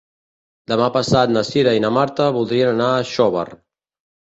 Demà passat na Cira i na Marta voldrien anar a Xóvar.